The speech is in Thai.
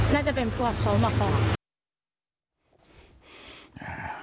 น่าจะเป็นพวกเขามาก่อน